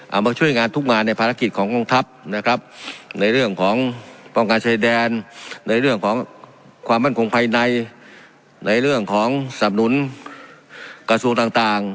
มาช่วยงานทุกงานในภารกิจของกองทัพนะครับในเรื่องของป้องกันชายแดนในเรื่องของความมั่นคงภายในในเรื่องของสำนุนกระทรวงต่างต่าง